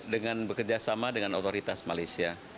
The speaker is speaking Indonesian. dengan bekerjasama dengan otoritas malaysia